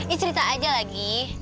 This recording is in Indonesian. ini cerita aja lagi